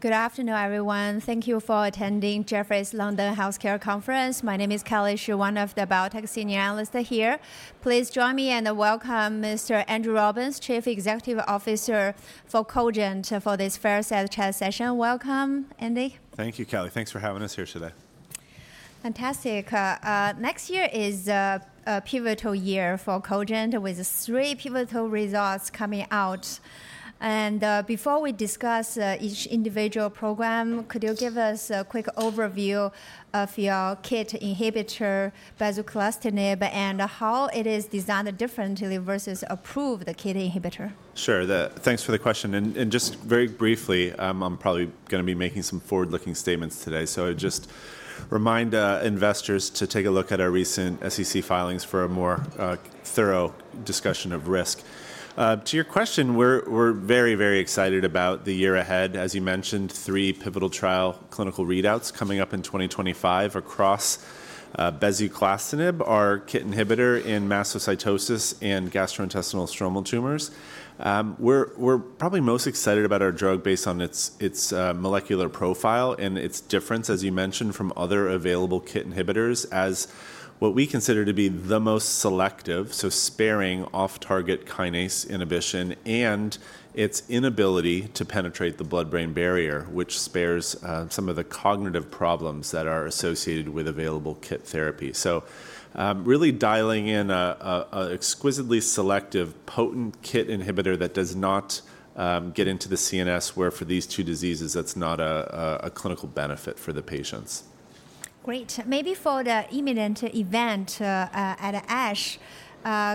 Good afternoon, everyone. Thank you for attending Jefferies' London Healthcare Conference. My name is Kelly Shi, one of the Biotech Senior Analysts here. Please join me in welcoming Mr. Andrew Robbins, Chief Executive Officer for Cogent for this first chat session. Welcome, Andy. Thank you, Kelly. Thanks for having us here today. Fantastic. Next year is a pivotal year for Cogent, with three pivotal results coming out. Before we discuss each individual program, could you give us a quick overview of your KIT inhibitor, bezuclastinib, and how it is designed differently versus approved KIT inhibitor? Sure. Thanks for the question and just very briefly, I'm probably going to be making some forward-looking statements today, so I'd just remind investors to take a look at our recent SEC filings for a more thorough discussion of risk. To your question, we're very, very excited about the year ahead. As you mentioned, three pivotal trial clinical readouts coming up in 2025 across bezuclastinib, our KIT inhibitor in mastocytosis and gastrointestinal stromal tumors. We're probably most excited about our drug based on its molecular profile and its difference, as you mentioned, from other available KIT inhibitors as what we consider to be the most selective, so sparing off-target kinase inhibition and its inability to penetrate the blood-brain barrier, which spares some of the cognitive problems that are associated with available KIT therapy. Really dialing in an exquisitely selective, potent KIT inhibitor that does not get into the CNS, where for these two diseases, that's not a clinical benefit for the patients. Great. Maybe for the imminent event at ASH,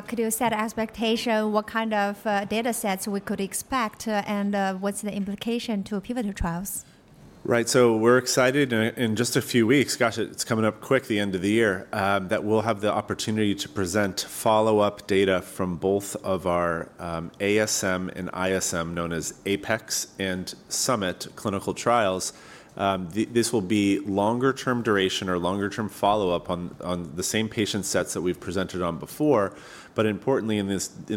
could you set expectations? What kind of data sets we could expect, and what's the implication to pivotal trials? Right. So we're excited in just a few weeks, gosh, it's coming up quick, the end of the year, that we'll have the opportunity to present follow-up data from both of our ASM and ISM, known as APEX and SUMMIT clinical trials. This will be longer-term duration or longer-term follow-up on the same patient sets that we've presented on before. But importantly, in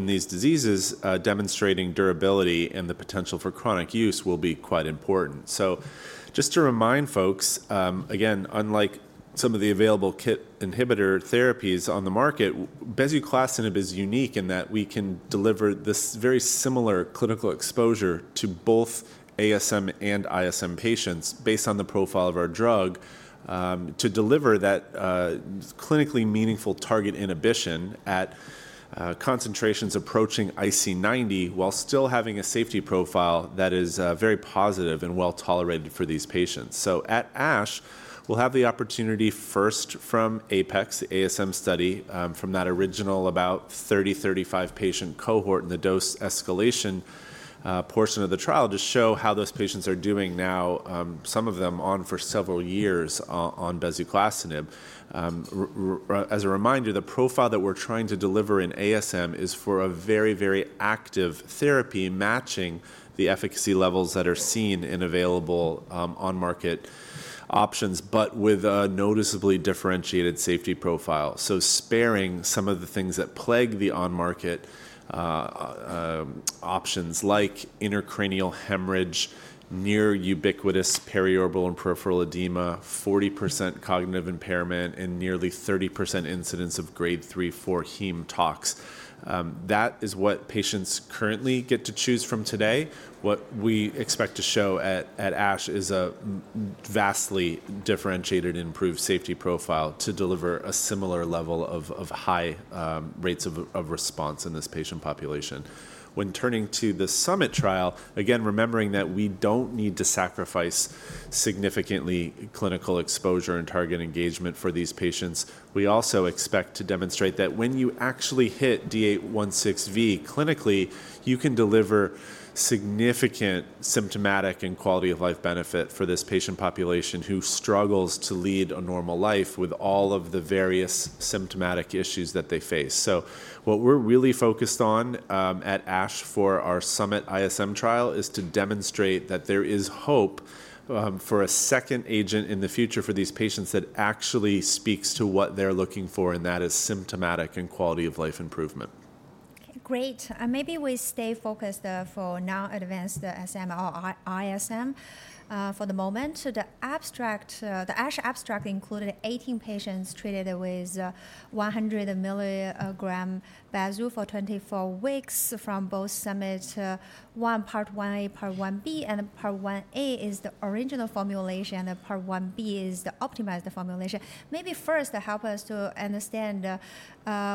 these diseases, demonstrating durability and the potential for chronic use will be quite important. So just to remind folks, again, unlike some of the available KIT inhibitor therapies on the market, bezuclastinib is unique in that we can deliver this very similar clinical exposure to both ASM and ISM patients based on the profile of our drug to deliver that clinically meaningful target inhibition at concentrations approaching IC90 while still having a safety profile that is very positive and well tolerated for these patients. At ASH, we'll have the opportunity first from APEX, the ASM study, from that original about 30-35 patient cohort and the dose escalation portion of the trial to show how those patients are doing now, some of them on for several years on bezuclastinib. As a reminder, the profile that we're trying to deliver in ASM is for a very, very active therapy matching the efficacy levels that are seen in available on-market options, but with a noticeably differentiated safety profile. So sparing some of the things that plague the on-market options, like intracranial hemorrhage, near-ubiquitous periorbital and peripheral edema, 40% cognitive impairment, and nearly 30% incidence of grade 3/4 heme tox. That is what patients currently get to choose from today. What we expect to show at ASH is a vastly differentiated, improved safety profile to deliver a similar level of high rates of response in this patient population. When turning to the SUMMIT trial, again, remembering that we don't need to sacrifice significantly clinical exposure and target engagement for these patients. We also expect to demonstrate that when you actually hit D816V clinically, you can deliver significant symptomatic and quality-of-life benefit for this patient population who struggles to lead a normal life with all of the various symptomatic issues that they face. So what we're really focused on at ASH for our SUMMIT ISM trial is to demonstrate that there is hope for a second agent in the future for these patients that actually speaks to what they're looking for, and that is symptomatic and quality-of-life improvement. Great. And maybe we stay focused for now advanced ASM or ISM for the moment. The ASH abstract included 18 patients treated with 100 milligrams of Bezu for 24 weeks from both SUMMIT 1 Part 1A, Part 1B. And Part 1A is the original formulation, and Part 1B is the optimized formulation. Maybe first help us to understand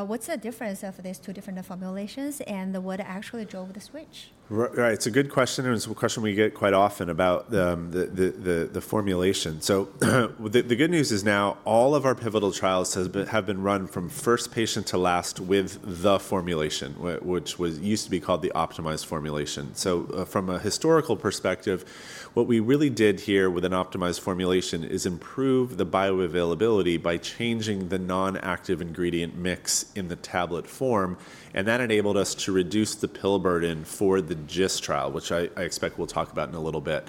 what's the difference of these two different formulations and what actually drove the switch? Right. It's a good question, and it's a question we get quite often about the formulation. So the good news is now all of our pivotal trials have been run from first patient to last with the formulation, which used to be called the optimized formulation. So from a historical perspective, what we really did here with an optimized formulation is improve the bioavailability by changing the nonactive ingredient mix in the tablet form. And that enabled us to reduce the pill burden for the GIST trial, which I expect we'll talk about in a little bit,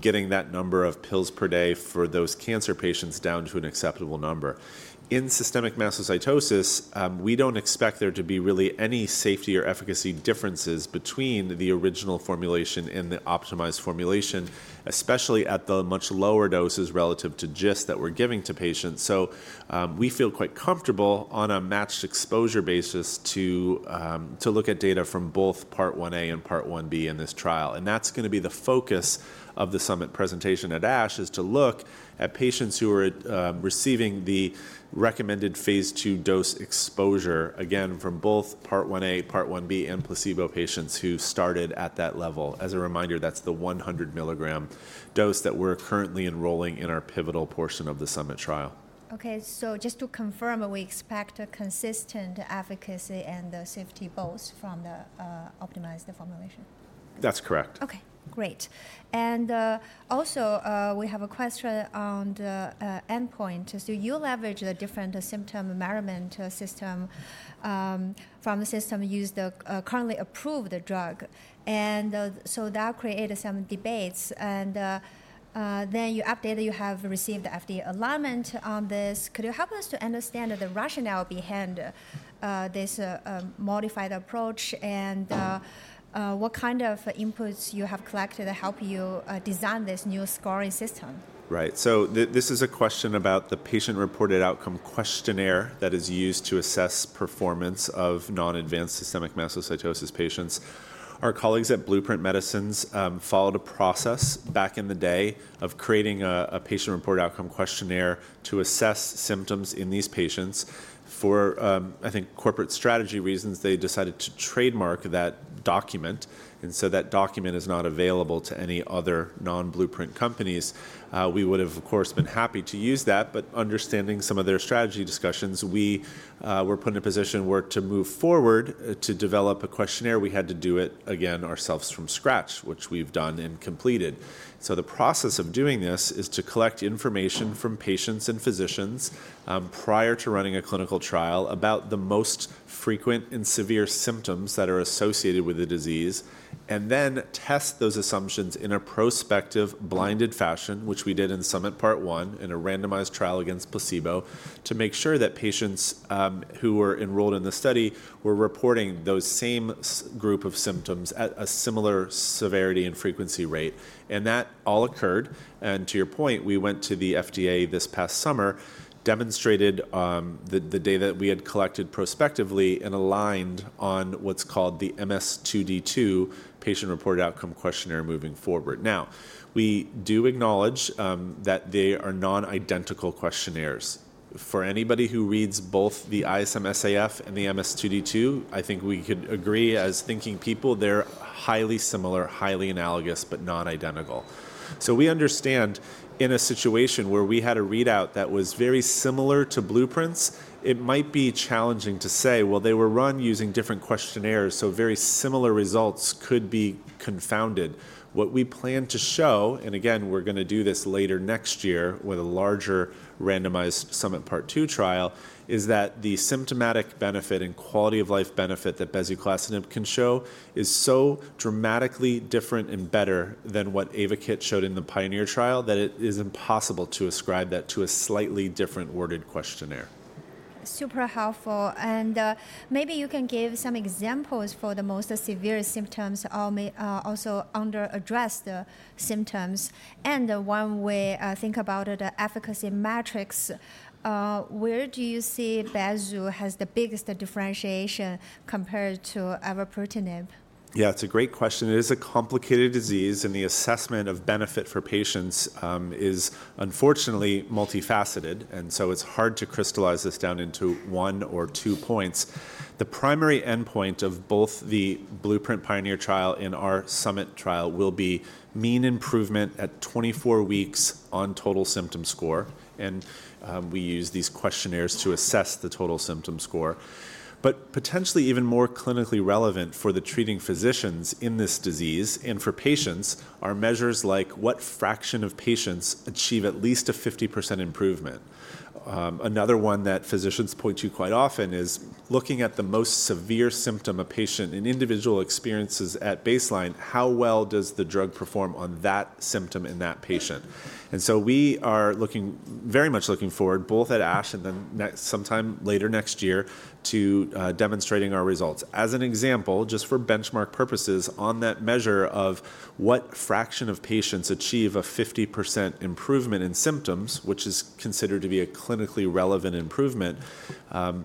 getting that number of pills per day for those cancer patients down to an acceptable number. In systemic mastocytosis, we don't expect there to be really any safety or efficacy differences between the original formulation and the optimized formulation, especially at the much lower doses relative to GIST that we're giving to patients. We feel quite comfortable on a matched exposure basis to look at data from both Part 1A and Part 1B in this trial. That's going to be the focus of the SUMMIT presentation at ASH to look at patients who are receiving the recommended Phase II dose exposure, again, from both Part 1A, Part 1B, and placebo patients who started at that level. As a reminder, that's the 100 milligram dose that we're currently enrolling in our pivotal portion of the SUMMIT trial. OK. So just to confirm, we expect consistent efficacy and safety both from the optimized formulation. That's correct. OK. Great. And also, we have a question on the endpoint. So you leverage the different symptom measurement system from the system used to currently approve the drug. And so that created some debates. And then you updated you have received the FDA alignment on this. Could you help us to understand the rationale behind this modified approach and what kind of inputs you have collected to help you design this new scoring system? Right. So this is a question about the patient-reported outcome questionnaire that is used to assess performance of non-advanced systemic mastocytosis patients. Our colleagues at Blueprint Medicines followed a process back in the day of creating a patient-reported outcome questionnaire to assess symptoms in these patients. For, I think, corporate strategy reasons, they decided to trademark that document. And so that document is not available to any other non-Blueprint companies. We would have, of course, been happy to use that. But understanding some of their strategy discussions, we were put in a position where to move forward to develop a questionnaire, we had to do it again ourselves from scratch, which we've done and completed. The process of doing this is to collect information from patients and physicians prior to running a clinical trial about the most frequent and severe symptoms that are associated with the disease, and then test those assumptions in a prospective blinded fashion, which we did in SUMMIT Part 1 in a randomized trial against placebo, to make sure that patients who were enrolled in the study were reporting those same group of symptoms at a similar severity and frequency rate. That all occurred. To your point, we went to the FDA this past summer, demonstrated the data that we had collected prospectively, and aligned on what's called the MS2D2 patient-reported outcome questionnaire moving forward. We do acknowledge that they are non-identical questionnaires. For anybody who reads both the ISM-SAF and the MS2D2, I think we could agree as thinking people, they're highly similar, highly analogous, but non-identical. So we understand in a situation where we had a readout that was very similar to Blueprint's, it might be challenging to say, well, they were run using different questionnaires, so very similar results could be confounded. What we plan to show, and again, we're going to do this later next year with a larger randomized SUMMIT Part 2 trial, is that the symptomatic benefit and quality-of-life benefit that bezuclastinib can show is so dramatically different and better than what Ayvakit showed in the PIONEER trial that it is impossible to ascribe that to a slightly different worded questionnaire. Super helpful. And maybe you can give some examples for the most severe symptoms or also under-addressed symptoms. And when we think about the efficacy metrics, where do you see Bezu has the biggest differentiation compared to avapritinib? Yeah, it's a great question. It is a complicated disease, and the assessment of benefit for patients is unfortunately multifaceted, and so it's hard to crystallize this down into one or two points. The primary endpoint of both the Blueprint Pioneer trial and our SUMMIT trial will be mean improvement at 24 weeks on total symptom score, and we use these questionnaires to assess the total symptom score. But potentially even more clinically relevant for the treating physicians in this disease and for patients are measures like what fraction of patients achieve at least a 50% improvement. Another one that physicians point to quite often is looking at the most severe symptom an individual patient experiences at baseline; how well does the drug perform on that symptom in that patient? We are very much looking forward, both at ASH and then sometime later next year, to demonstrating our results. As an example, just for benchmark purposes, on that measure of what fraction of patients achieve a 50% improvement in symptoms, which is considered to be a clinically relevant improvement,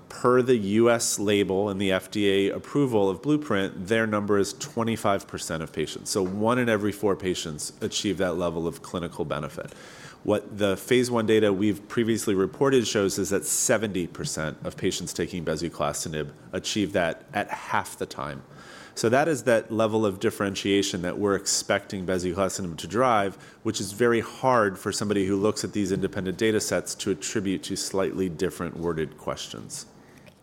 per the U.S. label and the FDA approval of Blueprint, their number is 25% of patients. One in every four patients achieve that level of clinical benefit. What the phase one data we've previously reported shows is that 70% of patients taking bezuclastinib achieve that at half the time. That is that level of differentiation that we're expecting bezuclastinib to drive, which is very hard for somebody who looks at these independent data sets to attribute to slightly different worded questions.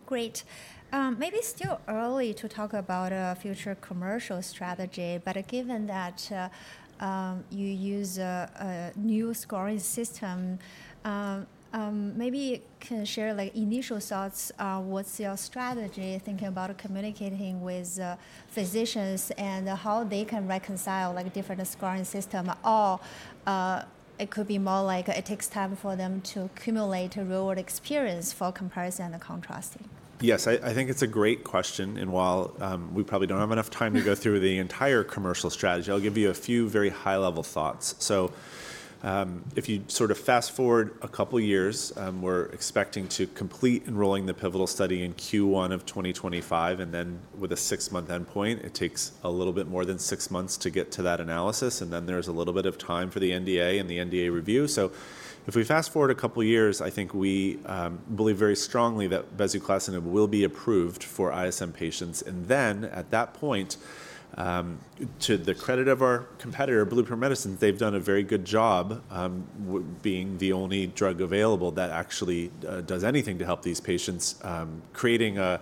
Great. Maybe still early to talk about a future commercial strategy. But given that you use a new scoring system, maybe you can share initial thoughts on what's your strategy thinking about communicating with physicians and how they can reconcile different scoring systems? Or it could be more like it takes time for them to accumulate real-world experience for comparison and contrasting? Yes, I think it's a great question, and while we probably don't have enough time to go through the entire commercial strategy, I'll give you a few very high-level thoughts, so if you sort of fast forward a couple of years, we're expecting to complete enrolling the pivotal study in Q1 of 2025, and then with a six-month endpoint, it takes a little bit more than six months to get to that analysis, and then there's a little bit of time for the NDA and the NDA review, so if we fast forward a couple of years, I think we believe very strongly that bezuclastinib will be approved for ISM patients. And then at that point, to the credit of our competitor, Blueprint Medicines, they've done a very good job being the only drug available that actually does anything to help these patients, creating a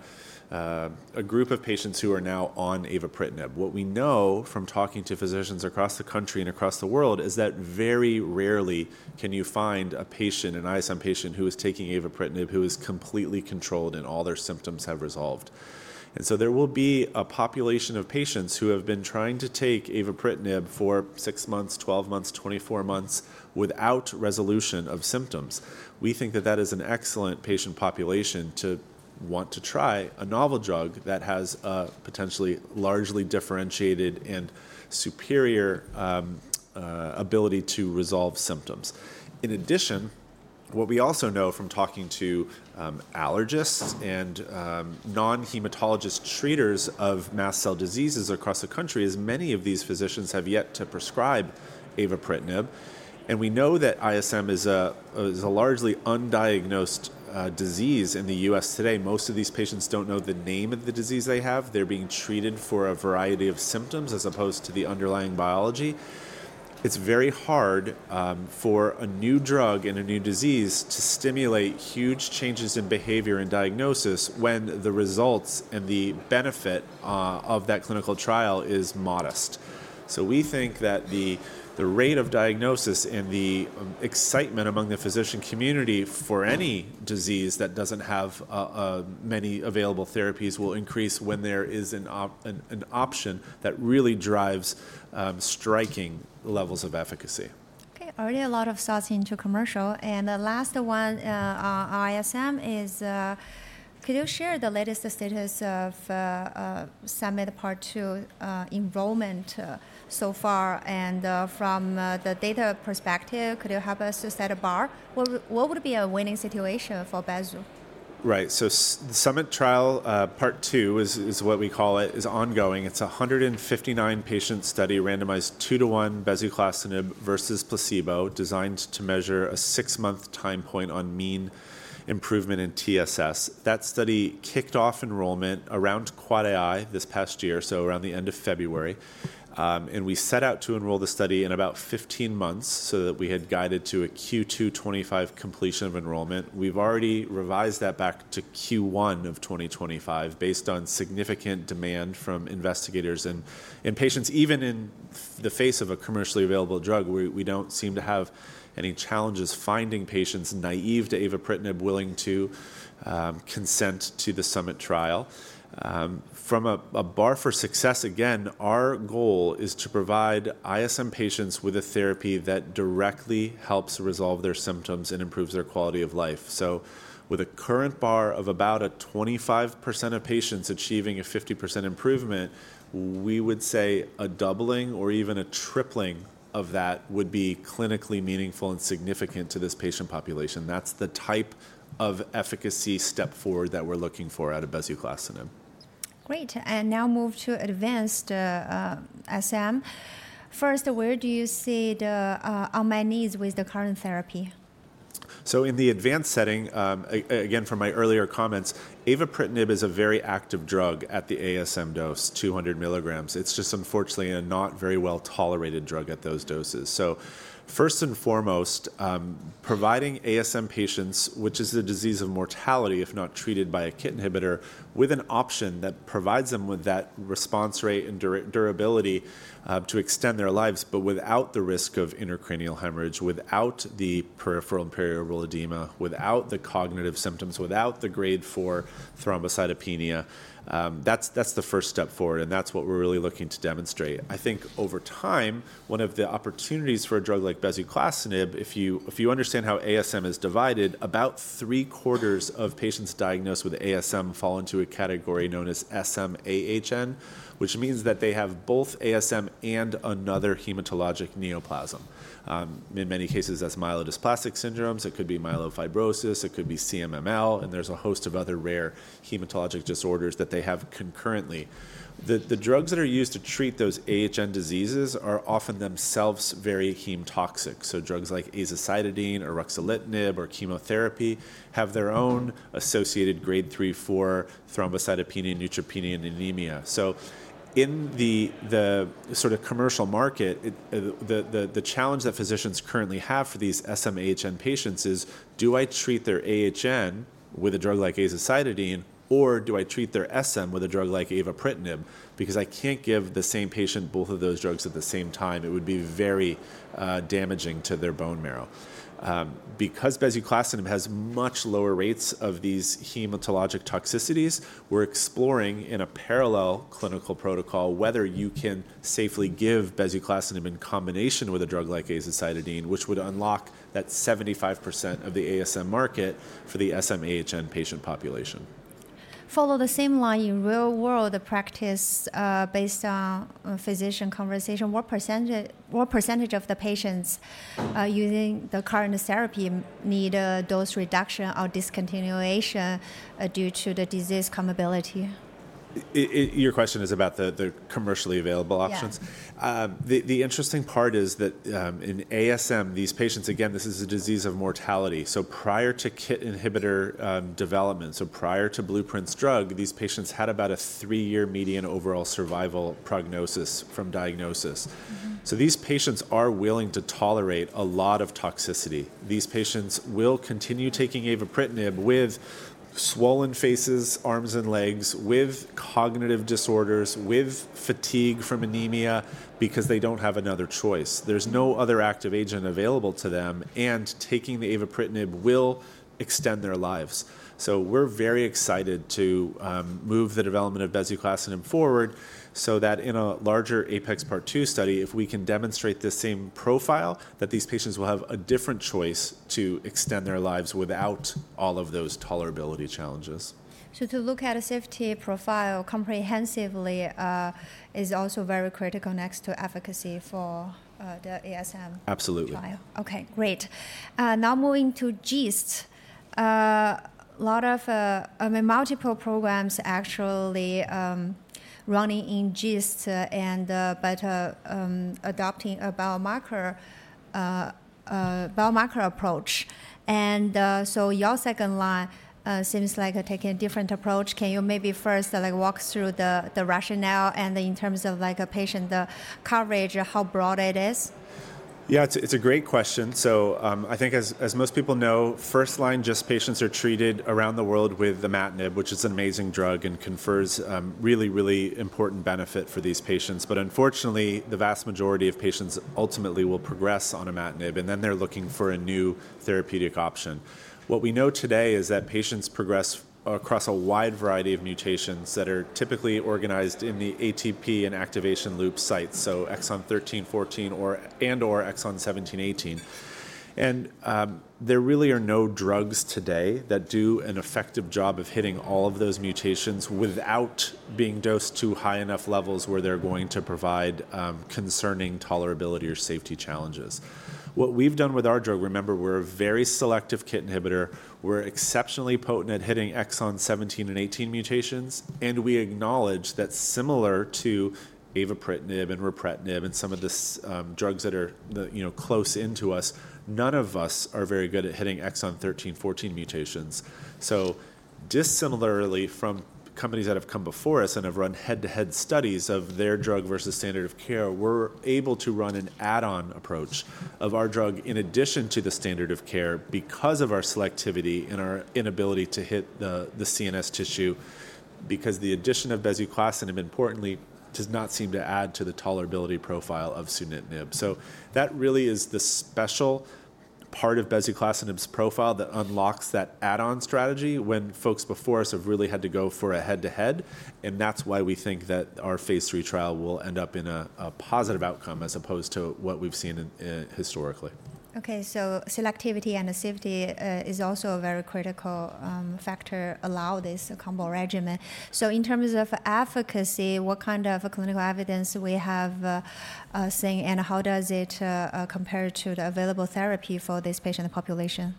group of patients who are now on avapritinib. What we know from talking to physicians across the country and across the world is that very rarely can you find a patient, an ISM patient, who is taking avapritinib who is completely controlled and all their symptoms have resolved. And so there will be a population of patients who have been trying to take avapritinib for six months, 12 months, 24 months without resolution of symptoms. We think that that is an excellent patient population to want to try a novel drug that has a potentially largely differentiated and superior ability to resolve symptoms. In addition, what we also know from talking to allergists and non-hematologist treaters of mast cell diseases across the country is many of these physicians have yet to prescribe avapritinib. And we know that ISM is a largely undiagnosed disease in the U.S. today. Most of these patients don't know the name of the disease they have. They're being treated for a variety of symptoms as opposed to the underlying biology. It's very hard for a new drug and a new disease to stimulate huge changes in behavior and diagnosis when the results and the benefit of that clinical trial is modest. So we think that the rate of diagnosis and the excitement among the physician community for any disease that doesn't have many available therapies will increase when there is an option that really drives striking levels of efficacy. OK. Already a lot of thoughts into commercial. And the last one on ISM is, could you share the latest status of SUMMIT Part 2 enrollment so far? And from the data perspective, could you help us to set a bar? What would be a winning situation for Bezu? Right. So the SUMMIT trial Part 2 is what we call it, is ongoing. It's a 159-patient study randomized two to one bezuclastinib versus placebo designed to measure a six-month time point on mean improvement in TSS. That study kicked off enrollment around AAAAI this past year, so around the end of February, and we set out to enroll the study in about 15 months so that we had guided to a Q2 2025 completion of enrollment. We've already revised that back to Q1 of 2025 based on significant demand from investigators, and in patients, even in the face of a commercially available drug, we don't seem to have any challenges finding patients naive to avapritinib willing to consent to the SUMMIT trial. From a bar for success, again, our goal is to provide ISM patients with a therapy that directly helps resolve their symptoms and improves their quality of life. With a current bar of about 25% of patients achieving a 50% improvement, we would say a doubling or even a tripling of that would be clinically meaningful and significant to this patient population. That's the type of efficacy step forward that we're looking for out of bezuclastinib. Great. And now move to advanced ISM. First, where do you see the unmet needs with the current therapy? So in the advanced setting, again, from my earlier comments, avapritinib is a very active drug at the ASM dose, 200 milligrams. It's just unfortunately a not very well tolerated drug at those doses. So first and foremost, providing ASM patients, which is a disease of mortality if not treated by a KIT inhibitor, with an option that provides them with that response rate and durability to extend their lives, but without the risk of intracranial hemorrhage, without the peripheral and periorbital edema, without the cognitive symptoms, without the grade four thrombocytopenia, that's the first step forward. And that's what we're really looking to demonstrate. I think over time, one of the opportunities for a drug like bezuclastinib, if you understand how ASM is divided, about three-quarters of patients diagnosed with ASM fall into a category known as SM-AHN, which means that they have both ASM and another hematologic neoplasm. In many cases, that's myelodysplastic syndromes. It could be myelofibrosis. It could be CMML, and there's a host of other rare hematologic disorders that they have concurrently. The drugs that are used to treat those AHN diseases are often themselves very heme toxic, so drugs like azacitidine or ruxolitinib or chemotherapy have their own associated grade three, four thrombocytopenia, neutropenia, and anemia, so in the sort of commercial market, the challenge that physicians currently have for these SMAHN patients is, do I treat their AHN with a drug like azacitidine, or do I treat their SM with a drug like avapritinib? Because I can't give the same patient both of those drugs at the same time. It would be very damaging to their bone marrow. Because bezuclastinib has much lower rates of these hematologic toxicities, we're exploring in a parallel clinical protocol whether you can safely give bezuclastinib in combination with a drug like azacitidine, which would unlock that 75% of the ASM market for the SMAHN patient population. Follow the same line in real-world practice based on physician conversation. What percentage of the patients using the current therapy need a dose reduction or discontinuation due to the disease comorbidity? Your question is about the commercially available options? Yeah. The interesting part is that in ASM, these patients, again, this is a disease of mortality. So prior to KIT inhibitor development, so prior to Blueprint's drug, these patients had about a three-year median overall survival prognosis from diagnosis. So these patients are willing to tolerate a lot of toxicity. These patients will continue taking avapritinib with swollen faces, arms, and legs, with cognitive disorders, with fatigue from anemia because they don't have another choice. There's no other active agent available to them. And taking the avapritinib will extend their lives. So we're very excited to move the development of bezuclastinib forward so that in a larger APEX Part 2 study, if we can demonstrate the same profile, that these patients will have a different choice to extend their lives without all of those tolerability challenges. So to look at a safety profile comprehensively is also very critical next to efficacy for the ASM. Absolutely. OK. Great. Now moving to GIST. A lot of multiple programs actually running in GIST and adopting a biomarker approach. And so your second line seems like taking a different approach. Can you maybe first walk through the rationale and in terms of patient coverage, how broad it is? Yeah, it's a great question. So I think as most people know, first-line, GIST patients are treated around the world with imatinib, which is an amazing drug and confers really, really important benefit for these patients. But unfortunately, the vast majority of patients ultimately will progress on imatinib. And then they're looking for a new therapeutic option. What we know today is that patients progress across a wide variety of mutations that are typically organized in the ATP and activation loop sites, so exon 13, 14, and/or exon 17, 18. And there really are no drugs today that do an effective job of hitting all of those mutations without being dosed to high enough levels where they're going to provide concerning tolerability or safety challenges. What we've done with our drug, remember, we're a very selective KIT inhibitor. We're exceptionally potent at hitting exon 17 and 18 mutations. We acknowledge that similar to avapritinib and ripretinib and some of the drugs that are close to us, none of us are very good at hitting exon 13, 14 mutations. So dissimilarly from companies that have come before us and have run head-to-head studies of their drug versus standard of care, we're able to run an add-on approach of our drug in addition to the standard of care because of our selectivity and our inability to hit the CNS tissue because the addition of bezuclastinib, importantly, does not seem to add to the tolerability profile of sunitinib. So that really is the special part of bezuclastinib's profile that unlocks that add-on strategy when folks before us have really had to go for a head-to-head. And that's why we think that our phase three trial will end up in a positive outcome as opposed to what we've seen historically. OK. So selectivity and safety is also a very critical factor, allowing this combo regimen. So in terms of efficacy, what kind of clinical evidence we have seen and how does it compare to the available therapy for this patient population?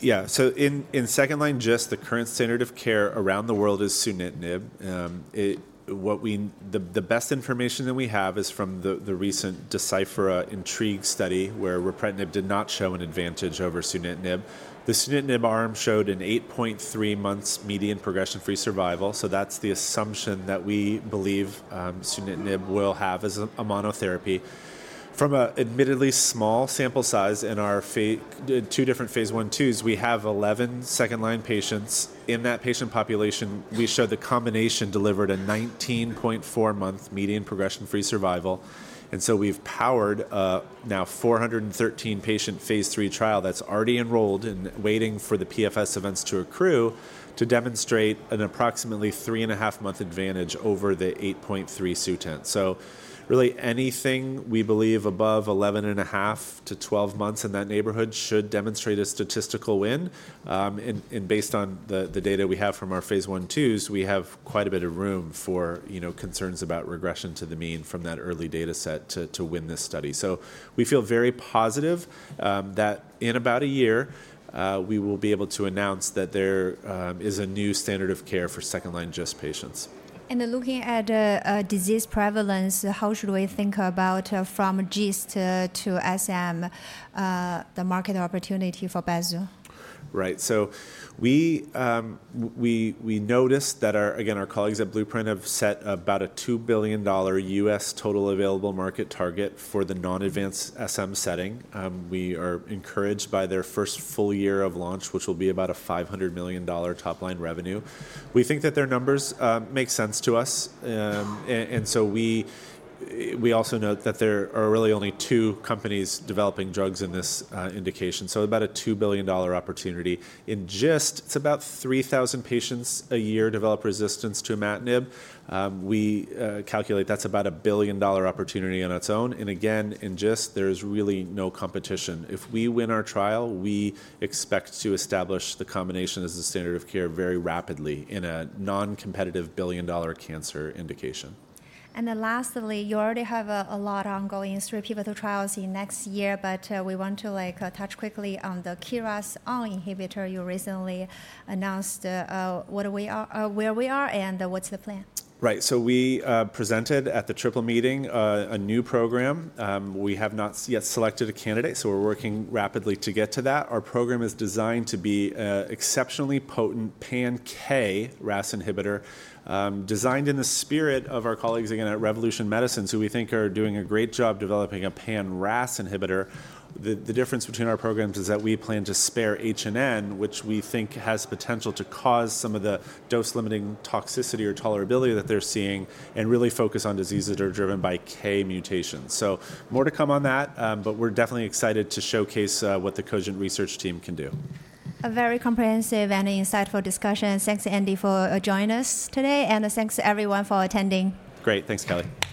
Yeah. So in second line GIST, the current standard of care around the world is sunitinib. The best information that we have is from the recent Deciphera INTRIGUE study where ripretinib did not show an advantage over sunitinib. The sunitinib arm showed an 8.3 months median progression-free survival. So that's the assumption that we believe sunitinib will have as a monotherapy. From an admittedly small sample size in our two different phase I/II, we have 11 second line patients. In that patient population, we show the combination delivered a 19.4 month median progression-free survival. And so we've powered now 413 patient phase three trial that's already enrolled and waiting for the PFS events to accrue to demonstrate an approximately 3 and 1/2 month advantage over the 8.3 Sutent. So really anything we believe above 11 and 1/2 to 12 months in that neighborhood should demonstrate a statistical win. Based on the data we have from our phase I/II, we have quite a bit of room for concerns about regression to the mean from that early data set to win this study. We feel very positive that in about a year, we will be able to announce that there is a new standard of care for second-line GIST patients. Looking at disease prevalence, how should we think about from GIST to SM the market opportunity for Bezu? Right. So we noticed that, again, our colleagues at Blueprint have set about a $2 billion U.S. total available market target for the non-advanced SM setting. We are encouraged by their first full year of launch, which will be about a $500 million top line revenue. We think that their numbers make sense to us. And so we also note that there are really only two companies developing drugs in this indication. So about a $2 billion opportunity. In GIST, it's about 3,000 patients a year develop resistance to imatinib. We calculate that's about a $1 billion opportunity on its own. And again, in GIST, there is really no competition. If we win our trial, we expect to establish the combination as a standard of care very rapidly in a non-competitive $1 billion cancer indication. And then lastly, you already have a lot ongoing through pivotal trials in next year. But we want to touch quickly on the KRAS inhibitor. You recently announced where we are and what's the plan? Right. So we presented at the Triple Meeting a new program. We have not yet selected a candidate. So we're working rapidly to get to that. Our program is designed to be an exceptionally potent pan-KRAS inhibitor designed in the spirit of our colleagues again at Revolution Medicines, who we think are doing a great job developing a pan-RAS inhibitor. The difference between our programs is that we plan to spare HRAS and NRAS, which we think has potential to cause some of the dose-limiting toxicity or tolerability that they're seeing, and really focus on diseases that are driven by K mutations. So more to come on that. But we're definitely excited to showcase what the Cogent research team can do. A very comprehensive and insightful discussion. Thanks, Andy, for joining us today. And thanks to everyone for attending. Great. Thanks, Kelly.